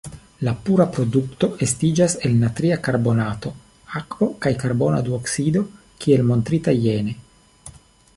La pura produkto estiĝas el natria karbonato, akvo kaj karbona duoksido kiel montrita jene.